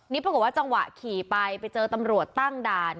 นี่ปรากฏว่าจังหวะขี่ไปไปเจอตำรวจตั้งด่าน